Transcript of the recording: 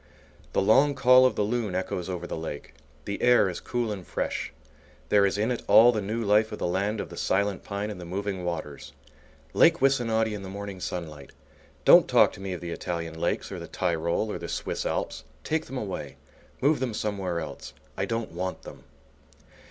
The long call of the loon echoes over the lake. The air is cool and fresh. There is in it all the new life of the land of the silent pine and the moving waters. Lake Wissanotti in the morning sunlight! Don't talk to me of the Italian lakes, or the Tyrol or the Swiss Alps. Take them away. Move them somewhere else. I don't want them.